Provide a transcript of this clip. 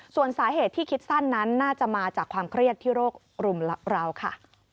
ส่วนสาเหตุที่คิดสั้นนั้นน่าจะมาจากความเครียดที่โรครุมราวค่ะ